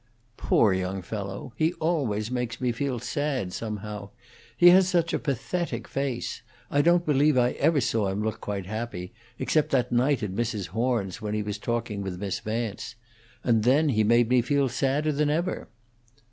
"Poor young fellow! He always makes me feel sad, somehow. He has such a pathetic face. I don't believe I ever saw him look quite happy, except that night at Mrs. Horn's, when he was talking with Miss Vance; and then he made me feel sadder than ever."